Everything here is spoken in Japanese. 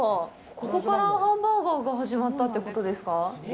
ここからハンバーガーが始まったってことですか？